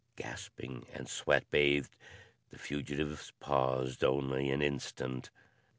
Gasping and sweat bathed, the fugitives paused only an instant.